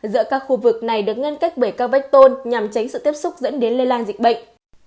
giữa các khu vực này được ngăn cách bởi các vách tôn nhằm tránh sự tiếp xúc dẫn đến lây lan dịch bệnh